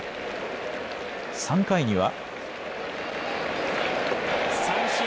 ３回には。